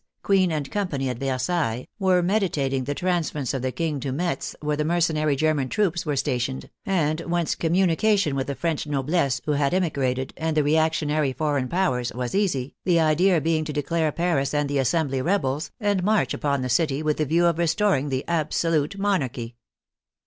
Queen and Company at Versailles, were 22 THE FRENCH REVOLUTION meditating the transference of the King to Metz, where the mercenary German troops were stationed, and whence communication with the French noblesse who had emi grated, and the reactionary foreign powers, was easy, the idea being to declare Paris and the Assembly rebels, and march upon the city with the view of restoring the abso lute monarchy.